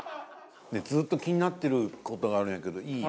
ずっと気になってる事があるんやけどいい？